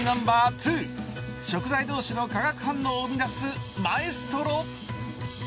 ２食材同士の化学反応を生み出すマエストロ。